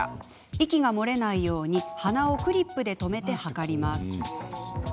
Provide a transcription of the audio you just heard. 息が漏れないように鼻をクリップで留めて測ります。